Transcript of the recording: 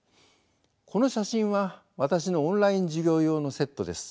この写真は私のオンライン授業用のセットです。